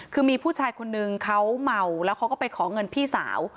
คือมีผู้ชายคนนึงเขาเมาแล้วเขาก็ไปขอเงินพี่สาว